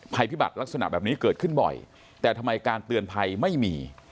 พิบัติลักษณะแบบนี้เกิดขึ้นบ่อยแต่ทำไมการเตือนภัยไม่มี